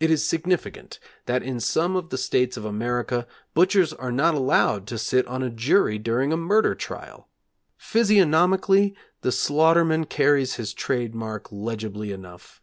It is significant that in some of the States of America butchers are not allowed to sit on a jury during a murder trial. Physiognomically the slaughterman carries his trade mark legibly enough.